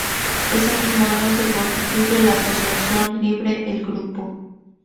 Ese mismo año se constituye la asociación libre "El Grupo".